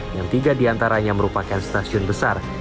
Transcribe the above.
yang tiga di antaranya merupakan stasiun besar